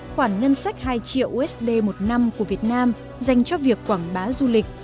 khoản ngân sách hai triệu usd một năm của việt nam dành cho việc quảng bá du lịch